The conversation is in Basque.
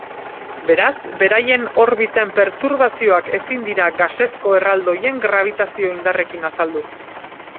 Beraz, beraien orbiten perturbazioak ezin dira gasezko erraldoien grabitazio-indarrekin azaldu.